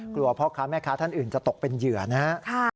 พ่อค้าแม่ค้าท่านอื่นจะตกเป็นเหยื่อนะครับ